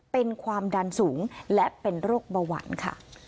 เป็นความดันสูงและเป็นโรคเบาหวานค่ะ